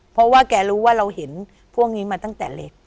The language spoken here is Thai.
เพราะว่าแกรู้ว่าเราเห็นพวกนี้มาตั้งแต่เล็ก